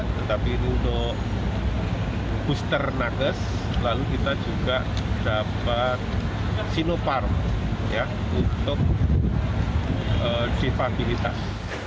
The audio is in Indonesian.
tetapi ini untuk booster nakes lalu kita juga dapat sinopar untuk difabilitas